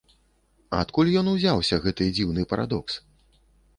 Адкуль ён узяўся, гэты дзіўны парадокс?